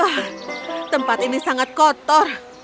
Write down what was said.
wah tempat ini sangat kotor